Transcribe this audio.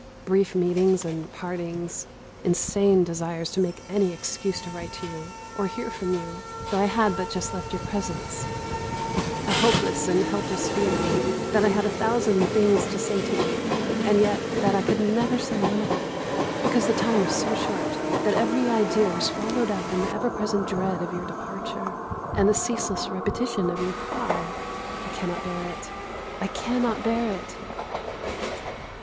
Brief meetings and partings; insane desires to make any excuse to write to you, or hear from you, though I had but just left your presence; a hopeless and helpless feeling that I had a thousand things to say to you, and yet that I never could say one of them, because the time was so short that every idea was swallowed up in the ever present dread of your departure, and the ceaseless repetition of your cry, "I cannot bear it, I cannot bear it."